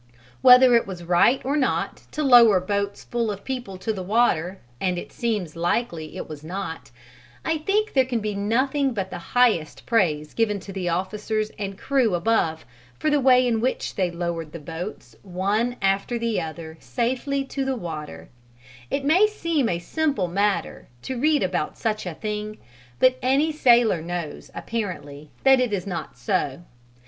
Whether it was right or not to lower boats full of people to the water, and it seems likely it was not, I think there can be nothing but the highest praise given to the officers and crew above for the way in which they lowered the boats one after the other safely to the water; it may seem a simple matter, to read about such a thing, but any sailor knows, apparently, that it is not so.